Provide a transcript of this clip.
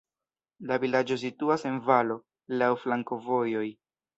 La vilaĝo situas en valo, laŭ flankovojoj.